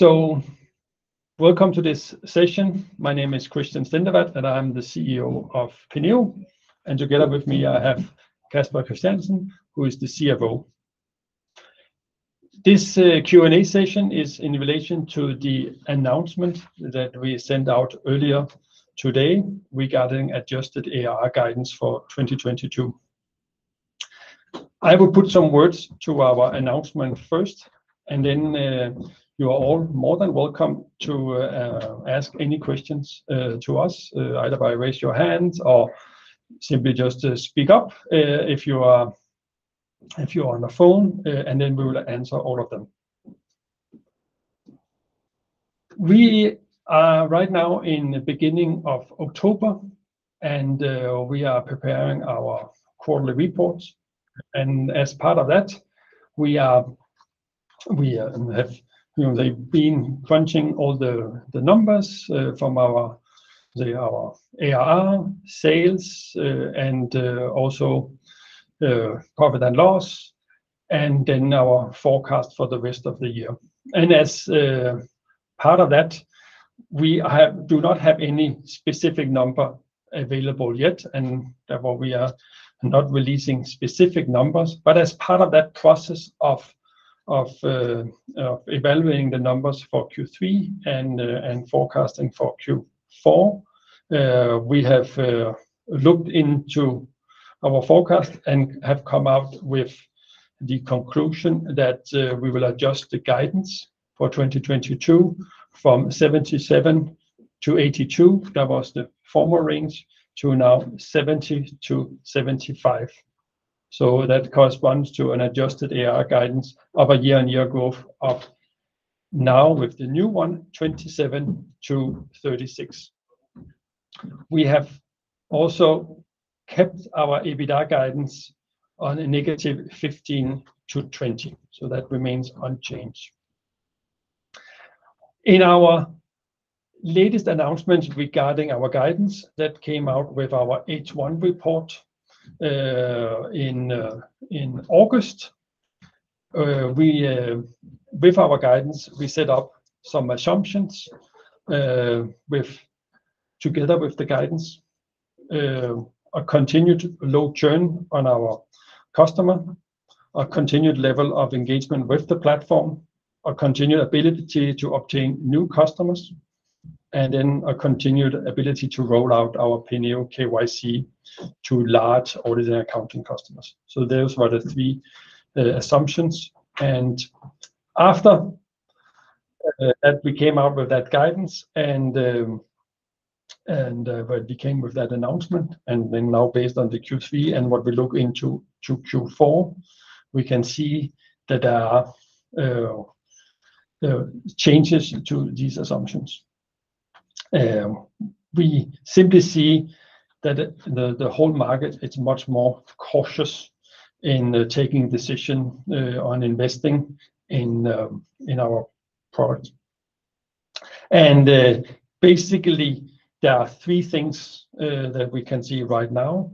Welcome to this session. My name is Christian Stendevad, and I'm the CEO of Penneo. Together with me, I have Casper Christiansen, who is the CFO. This Q&A session is in relation to the announcement that we sent out earlier today regarding adjusted ARR guidance for 2022. I will put some words to our announcement first, and then you are all more than welcome to ask any questions to us either by raising your hand or simply just speak up if you are on the phone, and then we will answer all of them. We are right now in the beginning of October, and we are preparing our quarterly report. As part of that, we have, you know, they've been crunching all the numbers from our ARR sales and profit and loss, and then our forecast for the rest of the year. As part of that, we do not have any specific number available yet, and therefore, we are not releasing specific numbers. As part of that process of evaluating the numbers for Q3 and forecasting for Q4, we have looked into our forecast and have come out with the conclusion that we will adjust the guidance for 2022 from 77-82, that was the former range, to now 70-75. That corresponds to an adjusted ARR guidance of a year-on-year growth of now, with the new one, 27%-36%. We have also kept our EBITDA guidance on a negative 15-20, so that remains unchanged. In our latest announcement regarding our guidance that came out with our H1 report in August, we with our guidance, we set up some assumptions together with the guidance, a continued low churn on our customer, a continued level of engagement with the platform, a continued ability to obtain new customers, and then a continued ability to roll out our Penneo KYC to large audit and accounting customers. Those were the three assumptions. After that, we came out with that guidance, and we came with that announcement. Now based on the Q3 and what we look into Q4, we can see that there are changes to these assumptions. We simply see that the whole market is much more cautious in taking decision on investing in our product. Basically, there are three things that we can see right now.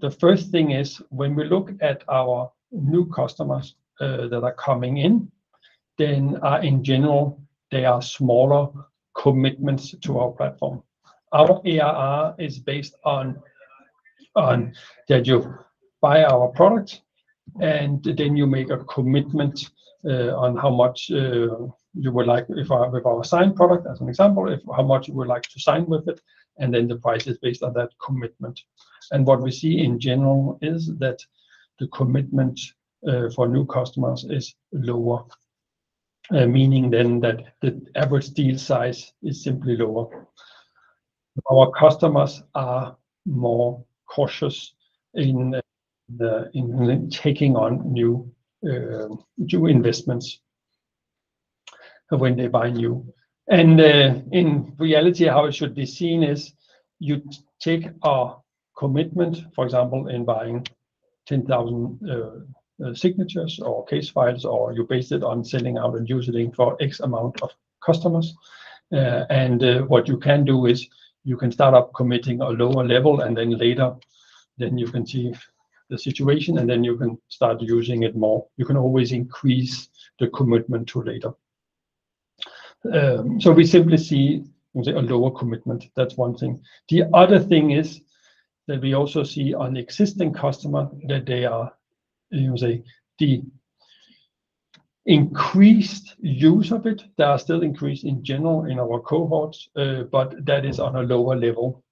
The first thing is when we look at our new customers that are coming in, then in general, they are smaller commitments to our platform. Our ARR is based on that you buy our product, and then you make a commitment on how much you would like with our signed product as an example, how much you would like to sign with it, and then the price is based on that commitment. What we see in general is that the commitment for new customers is lower, meaning that the average deal size is simply lower. Our customers are more cautious in taking on new investments when they buy new. In reality, how it should be seen is you take a commitment, for example, in buying 10,000 signatures or case files, or you base it on sending out a user link for X amount of customers. What you can do is you can start up committing a lower level, and then later you can see the situation, and then you can start using it more. You can always increase the commitment to later. We simply see, let's say, a lower commitment. That's one thing. The other thing is that we also see in existing customers that they are, let me say, the increasing use of it, they are still increasing in general in our cohorts, but that is on a lower level.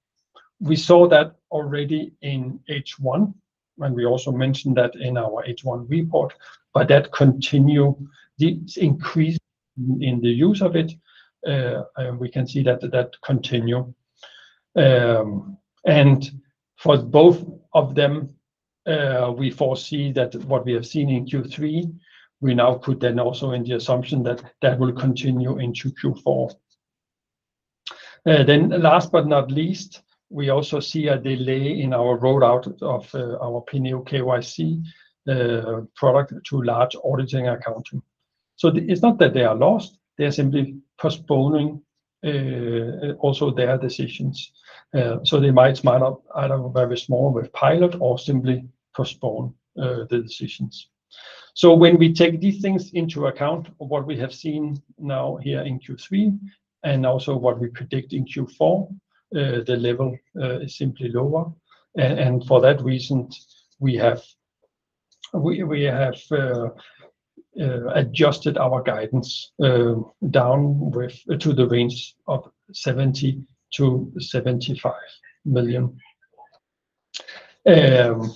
We saw that already in H1, and we also mentioned that in our H1 report, that continues the increase in the use of it, and we can see that continues. For both of them, we foresee that what we have seen in Q3, we now put that also in the assumption that that will continue into Q4. Last but not least, we also see a delay in our rollout of our Penneo KYC product to large auditing and accounting. It's not that they are lost, they're simply postponing and also their decisions. They might not either very small with pilot or simply postpone the decisions. When we take these things into account, what we have seen now here in Q3 and also what we predict in Q4, the level is simply lower. For that reason, we have adjusted our guidance down to the range of 70 million-75 million. If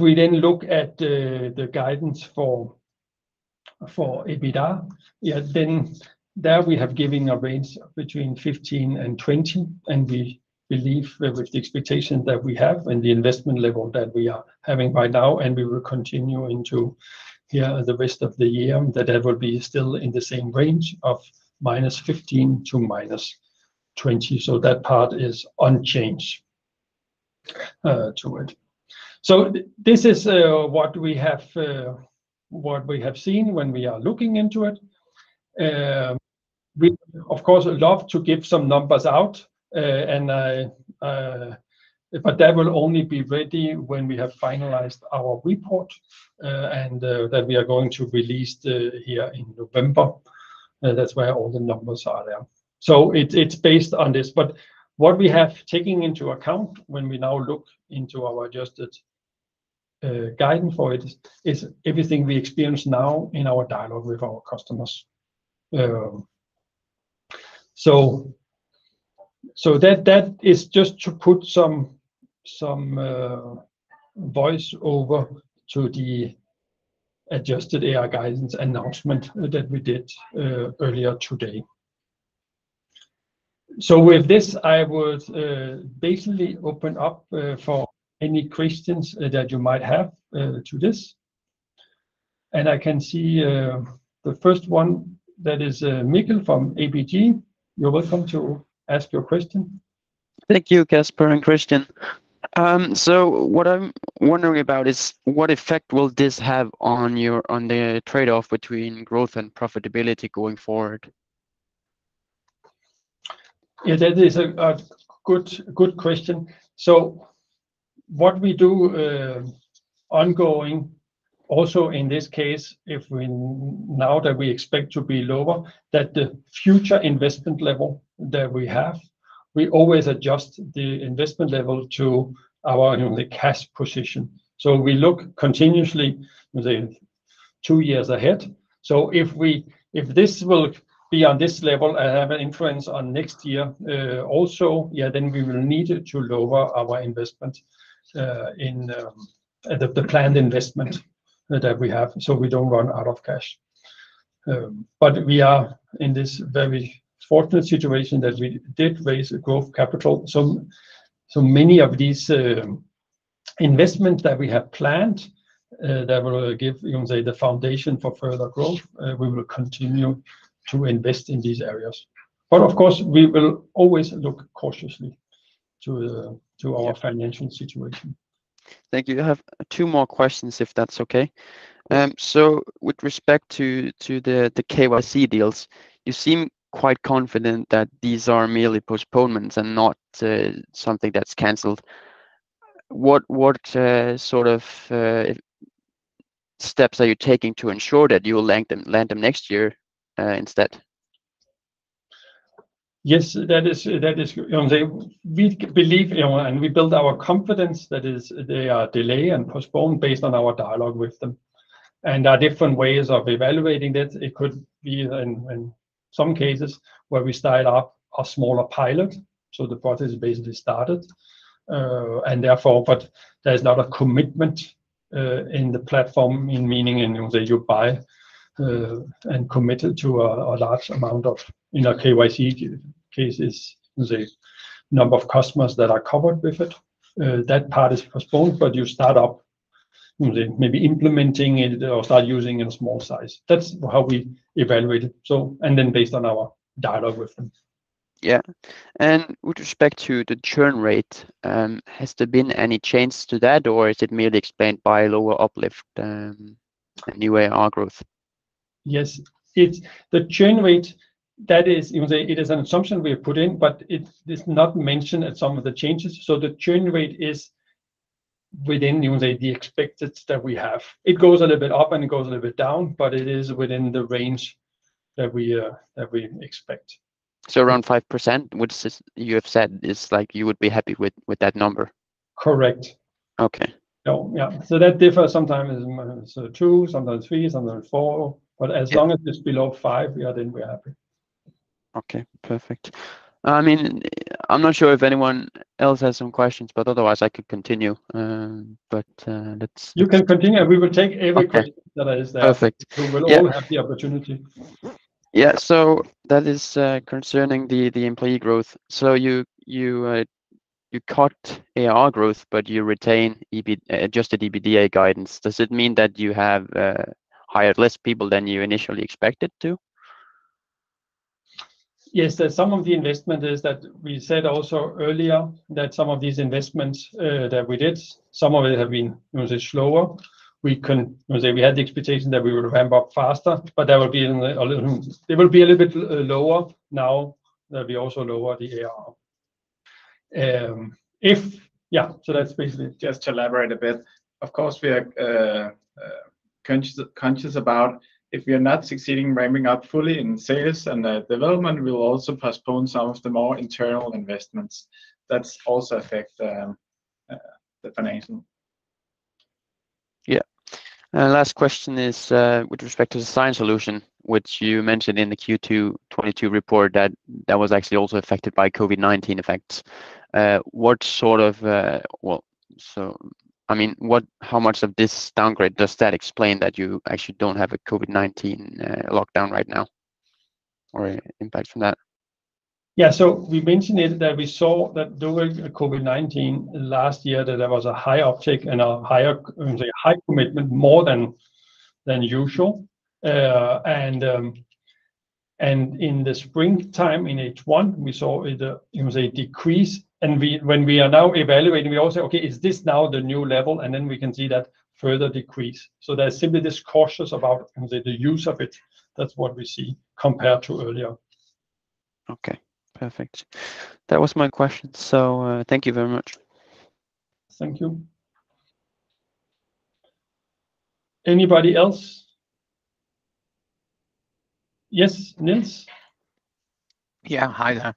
we then look at the guidance for EBITDA, then there we have given a range between 15 million and 20 million, and we believe with the expectation that we have and the investment level that we are having right now, and we will continue into the rest of the year, that it will be still in the same range of -15 million--20 million. That part is unchanged, too. This is what we have seen when we are looking into it. We of course love to give some numbers out, but that will only be ready when we have finalized our report, and that we are going to release here in November. That's where all the numbers are there. It's based on this. What we have taken into account when we now look into our adjusted guidance for it is everything we experience now in our dialogue with our customers. That is just to put some voice over to the adjusted ARR guidance announcement that we did earlier today. With this, I would basically open up for any questions that you might have to this. I can see the first one that is Mikkel from ABG. You're welcome to ask your question. Thank you, Casper and Christian. What I'm wondering about is what effect will this have on the trade-off between growth and profitability going forward? Yeah, that is a good question. What we do, ongoing also in this case, now that we expect to be lower, that the future investment level that we have, we always adjust the investment level to our, you know, the cash position. We look continuously the two years ahead. If this will be on this level and have an influence on next year, then we will need to lower our investment in the planned investment that we have, so we don't run out of cash. We are in this very fortunate situation that we did raise growth capital. So many of these investments that we have planned, that will give, you can say, the foundation for further growth, we will continue to invest in these areas. Of course, we will always look cautiously to our financial situation. Thank you. I have two more questions, if that's okay. With respect to the KYC deals, you seem quite confident that these are merely postponements and not something that's canceled. What sort of steps are you taking to ensure that you will land them next year instead? Yes, that is. You know what I'm saying? We believe, you know, and we build our confidence that they are delayed and postponed based on our dialogue with them. There are different ways of evaluating that. It could be in some cases where we start up a smaller pilot, so the process basically started. And therefore, but there's not a commitment in the platform, meaning in that you buy and commit to a large amount of, you know, KYC cases, the number of customers that are covered with it. That part is postponed, but you start up, you know, maybe implementing it or start using in small size. That's how we evaluate it. Then based on our dialogue with them. Yeah. With respect to the churn rate, has there been any change to that or is it merely explained by lower uplift, and new ARR growth? Yes. It's the churn rate that is, you know, it is an assumption we have put in, but it's not mentioned at some of the changes. The churn rate is within, you know, the expectations that we have. It goes a little bit up, and it goes a little bit down, but it is within the range that we expect. Around 5%, which you have said is like you would be happy with that number? Correct. Okay. Yeah. That differs sometimes, so two, sometimes three, sometimes four. As long as it's below five, yeah, then we are happy. Okay. Perfect. I mean, I'm not sure if anyone else has some questions, but otherwise I could continue. You can continue. We will take every question that is there. Okay. Perfect. Yeah. We will all have the opportunity. That is concerning the employee growth. You cut ARR growth, but you retain Adjusted EBITDA guidance. Does it mean that you have hired less people than you initially expected to? Yes, there's some of the investment is that we said also earlier that some of these investments that we did, some of it have been, let me say, slower. Let's say we had the expectation that we would ramp up faster, but it will be a little bit lower now that we also lower the ARR. That's basically it. Just to elaborate a bit. Of course, we are conscious about if we are not succeeding ramping up fully in sales and the development, we'll also postpone some of the more internal investments that's also affect the financial. Yeah. Last question is, with respect to the sign solution, which you mentioned in the Q2 2022 report that was actually also affected by COVID-19 effects. Well, so I mean, how much of this downgrade does that explain that you actually don't have a COVID-19 lockdown right now or impact from that? We mentioned it that we saw that during COVID-19 last year that there was a high uptake and a higher, let me say, high commitment, more than usual. In the springtime in H1, we saw it, let me say, decrease. When we are now evaluating, we all say, "Okay, is this now the new level?" We can see that further decrease. There's simply this caution about, let me say, the use of it. That's what we see compared to earlier. Okay. Perfect. That was my question. Thank you very much. Thank you. Anybody else? Yes, Nils. Yeah. Hi there.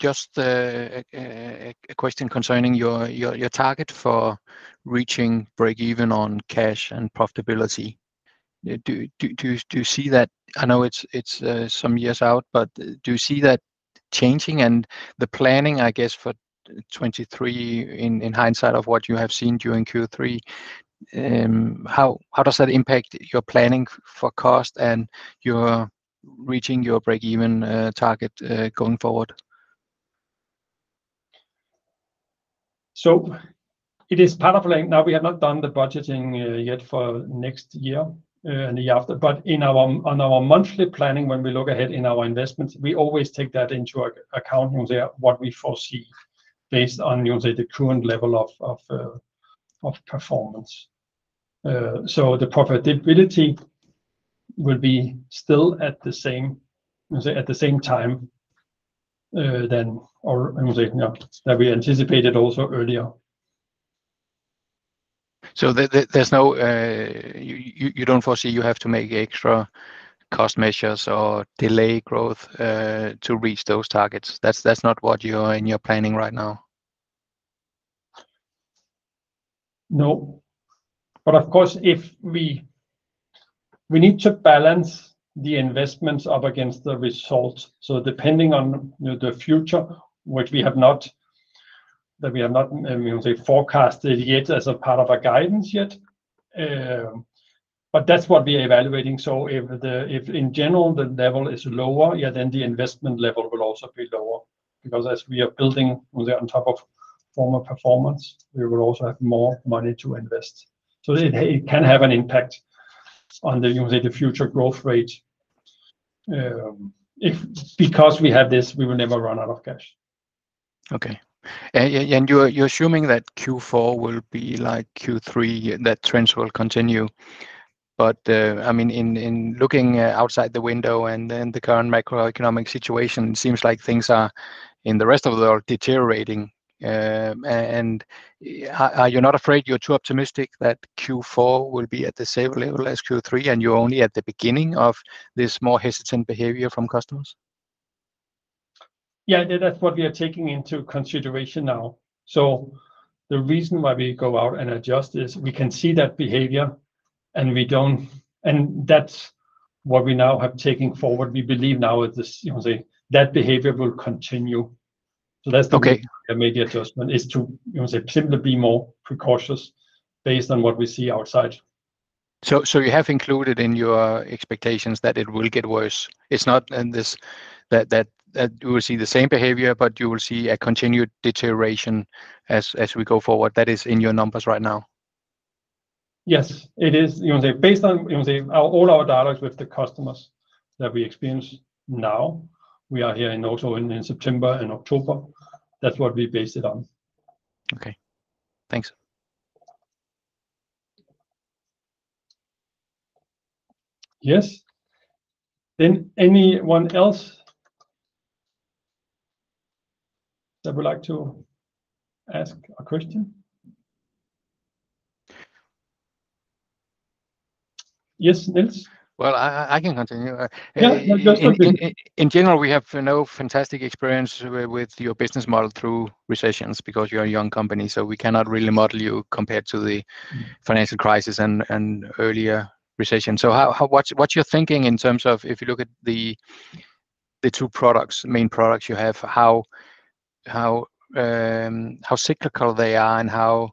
Just a question concerning your target for reaching break-even on cash and profitability. Do you see that changing? I know it's some years out, but do you see that changing? The planning, I guess, for 2023 in hindsight of what you have seen during Q3, how does that impact your planning for cost and your reaching your break-even target going forward? It is part of planning. Now, we have not done the budgeting yet for next year and the year after. In our monthly planning, when we look ahead in our investments, we always take that into account, let me say, what we foresee based on, let me say, the current level of performance. The profitability will be still at the same, let me say, at the same time, then or, let me say, yeah, that we anticipated also earlier. You don't foresee you have to make extra cost measures or delay growth to reach those targets? That's not what you are in your planning right now? No. Of course, if we need to balance the investments up against the results. Depending on, you know, the future, which we have not let me say forecasted yet as a part of our guidance yet, but that's what we're evaluating. If in general the level is lower, yeah, then the investment level will also be lower. Because as we are building, let me say, on top of former performance, we will also have more money to invest. It can have an impact on the let me say future growth rate. Because we have this, we will never run out of cash. Okay. You're assuming that Q4 will be like Q3, that trends will continue. I mean, in looking outside the window and then the current macroeconomic situation, seems like things are in the rest of the world deteriorating. Are you not afraid you're too optimistic that Q4 will be at the same level as Q3, and you're only at the beginning of this more hesitant behavior from customers? Yeah. That's what we are taking into consideration now. The reason why we go out and adjust is we can see that behavior, and that's what we now have taken forward. We believe now at this, let me say, that behavior will continue. Okay Reason for the immediate adjustment is to, let me say, simply be more precautious based on what we see outside. You have included in your expectations that it will get worse. It's not in this that we will see the same behavior, but you will see a continued deterioration as we go forward. That is in your numbers right now. Yes, it is. Let me say, based on all our dialogues with the customers that we experience now, we are hearing also in September and October, that's what we base it on. Okay. Thanks. Yes. Anyone else that would like to ask a question? Yes, Nils. Well, I can continue. Yeah. Yeah, that's okay. In general, we have no fantastic experience with your business model through recessions because you're a young company, so we cannot really model you compared to the financial crisis and earlier recession. So, what's your thinking in terms of if you look at the two main products you have, how cyclical they are and how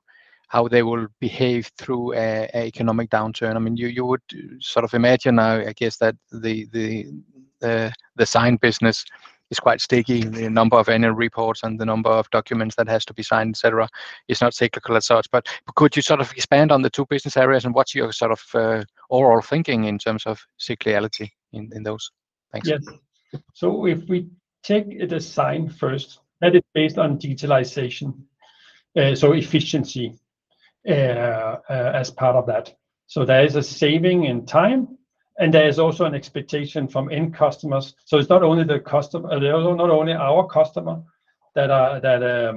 they will behave through an economic downturn? I mean, you would sort of imagine, I guess that the sign business. It's quite sticky in the number of annual reports and the number of documents that has to be signed, et cetera. It's not cyclical as such, but could you sort of expand on the two business areas and what's your sort of overall thinking in terms of cyclicality in those? Thanks. Yes. If we take it as signed first, that is based on digitalization, so efficiency, as part of that. There is a saving in time, and there is also an expectation from end customers. It's not only the customer they are not only our customer that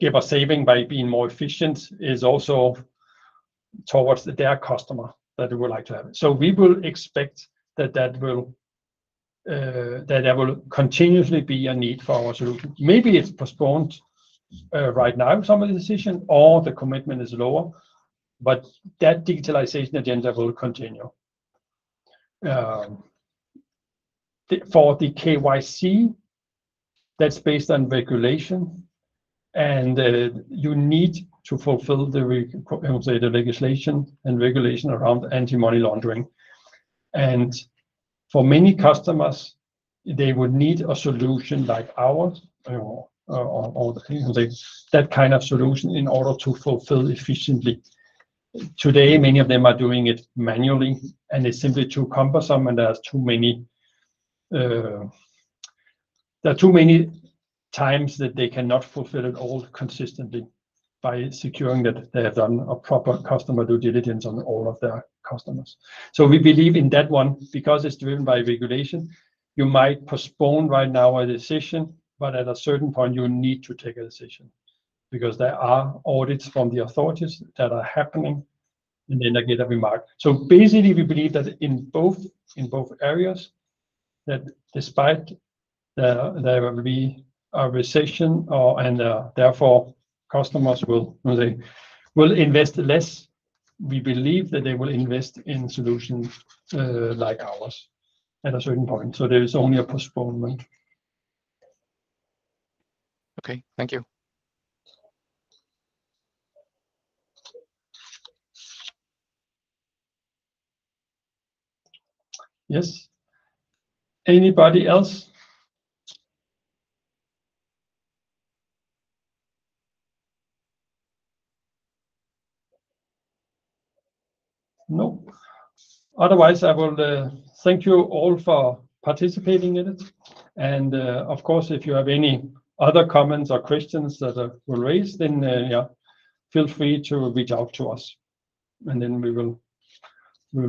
give us saving by being more efficient is also towards their customer that they would like to have it. We will expect that there will continuously be a need for our solution. Maybe it's postponed right now in some of the decision or the commitment is lower, but that digitalization agenda will continue. For the KYC, that's based on regulation, and you need to fulfill, how you say, the legislation and regulation around anti-money laundering. For many customers, they would need a solution like ours or the things like that kind of solution in order to fulfill efficiently. Today, many of them are doing it manually, and it's simply too cumbersome, and there are too many times that they cannot fulfill it all consistently by securing that they have done a proper customer due diligence on all of their customers. We believe in that one because it's driven by regulation. You might postpone right now a decision, but at a certain point you need to take a decision because there are audits from the authorities that are happening, and then they get a remark. Basically, we believe that in both areas that despite the, there will be a recession or and therefore customers will, how you say, will invest less. We believe that they will invest in solutions, like ours at a certain point. There is only a postponement. Okay. Thank you. Yes. Anybody else? No. Otherwise, I will thank you all for participating in it. Of course, if you have any other comments or questions that were raised, then, yeah, feel free to reach out to us, and then we will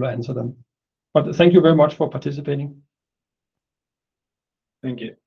answer them. Thank you very much for participating. Thank you.